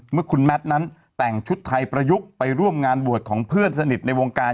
เมื่อคุณแมทนั้นแต่งชุดไทยประยุกต์ไปร่วมงานบวชของเพื่อนสนิทในวงการ